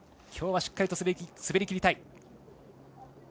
きょうはしっかりと滑りきりたい。